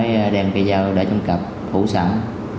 thì em thứ hai mới đem cái giao để chung cặp thủ sẵn